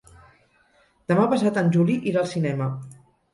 Demà passat en Juli irà al cinema.